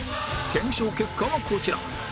検証結果はこちら